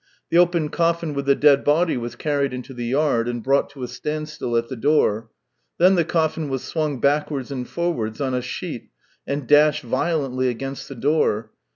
The open coffin with the dead body was carried into the yard, and brought to a standstill at the door; then the coffin was swung backwards and forwards on a sheet, and dashed violently against the door.